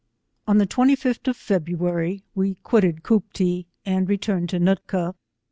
On the 25th of February, we quitted Cooptee, and returned to Nootka.